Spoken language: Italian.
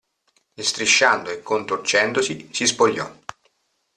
E, strisciando e contorcendosi, si spogliò.